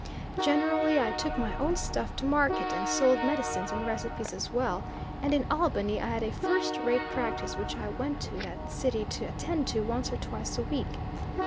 Generally I took my own stuff to market, and sold medicines and recipes as well, and in Albany I had a first rate practice which I went to that city to attend to once or twice a week.